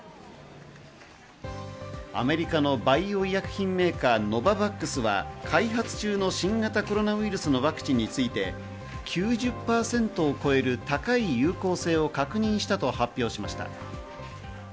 アメリカのバイオ医薬品メーカー・ノババックスは開発中の新型コロナウイルスのワクチンについて９０％を超える高い有効性を確認したと発表しました。